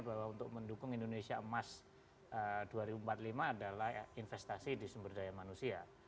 bahwa untuk mendukung indonesia emas dua ribu empat puluh lima adalah investasi di sumber daya manusia